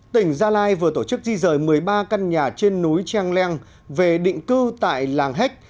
tỉnh gia lai vừa tổ chức di rời một mươi ba căn nhà trên núi trang leng về định cư tại làng héc